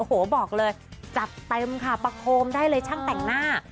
โอ้โหบอกเลยจัดเต็มค่ะประโคมได้เลยช่างแต่งหน้า